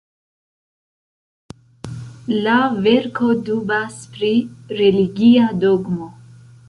La verko dubas pri religia dogmo.